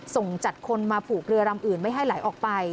จัดคนมาผูกเรือลำอื่นไม่ให้ไหลออกไป